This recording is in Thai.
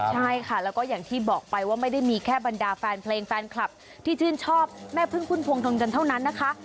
ใช่ค่ะแล้วก็อย่างที่บอกไปว่าไม่ได้มีแค่บรรดาแฟนเพลงแฟนคลับที่ชื่นชอบแม่พึ่งพุ่มพวงทนกันเท่านั้นนะคะ